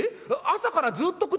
朝からずっと唇」。